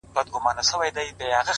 دې خاموش کور ته د خبرو بلبللکه راځي!